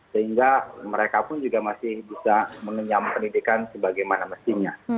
sehingga mereka pun juga masih bisa mengenyam pendidikan sebagaimana mestinya